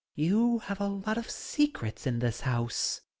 You have a lot of secrets in this house.